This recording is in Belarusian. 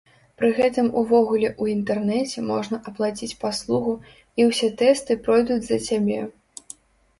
Пры гэтым увогуле ў інтэрнэце можна аплаціць паслугу, і ўсе тэсты пройдуць за цябе.